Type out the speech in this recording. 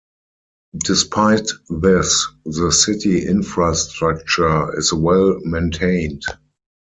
Despite this, the city infrastructure is well-maintained.